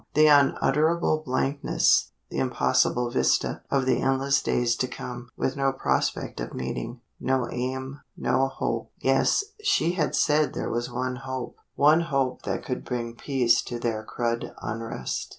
The unutterable blankness the impossible vista of the endless days to come, with no prospect of meeting no aim no hope. Yes, she had said there was one hope one hope which could bring peace to their crud unrest.